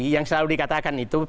yang selalu dikatakan itu